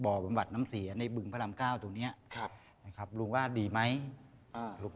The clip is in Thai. บอกบำบัดศัพท์ได้บึงบำบัดศัพท์แล้วเนี่ยอ่าอยากได้อะไรอีกไหมอืม